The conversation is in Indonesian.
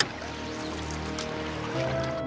tetapi country kita tusun